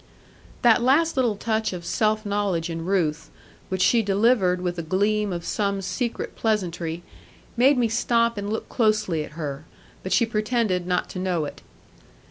That last little touch of self knowledge in Ruth, which she delivered with a gleam of some secret pleasantry, made me stop and look closely at her: but she pretended not to know it.